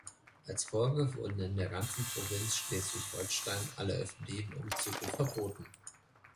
Als Folge wurden in der ganzen Provinz Schleswig-Holstein alle öffentlichen Umzüge verboten.